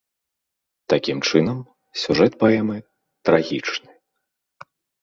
Такім чынам, сюжэт паэмы трагічны.